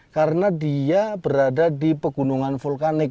karena dia berada di pegunungan vulkanik